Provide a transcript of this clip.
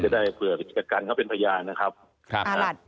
ก็จะได้เผื่อวิทยาการเข้าเป็นพยานนะครับ